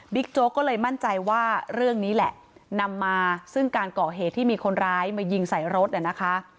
โจ๊กก็เลยมั่นใจว่าเรื่องนี้แหละนำมาซึ่งการก่อเหตุที่มีคนร้ายมายิงใส่รถเนี่ยนะคะ